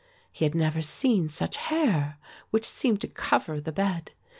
He had never seen such hair, which seemed to cover the bed.